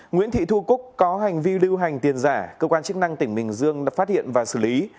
nguyễn thị thu cúc có hành vi lưu hành tiền giả cơ quan chức năng tỉnh bình dương đã phát hiện và xử lý